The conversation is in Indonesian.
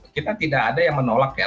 kita tidak ada yang menolak ya